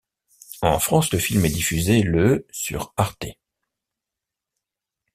En France le film est diffusé le sur arte.